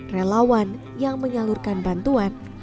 relawan yang menyalurkan bantuan